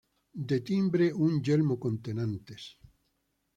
De timbre un yelmo con tenantes.